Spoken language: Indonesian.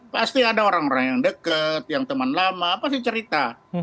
pasti ada orang orang yang dekat yang teman lama apa sih cerita